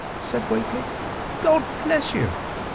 " said Whately. "God bless you